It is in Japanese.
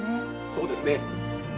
そうですね。